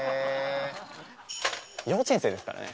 幼稚園生ですからね。